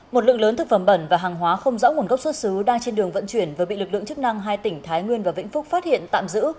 một lượng lớn thực phẩm bẩn và hàng hóa không rõ nguồn gốc xuất xứ đang trên đường vận chuyển vừa bị lực lượng chức năng hai tỉnh thái nguyên và vĩnh phúc phát hiện tạm giữ